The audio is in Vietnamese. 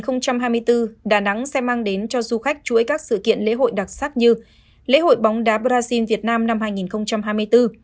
năm hai nghìn hai mươi bốn đà nẵng sẽ mang đến cho du khách chuỗi các sự kiện lễ hội đặc sắc như lễ hội bóng đá brazil việt nam năm hai nghìn hai mươi bốn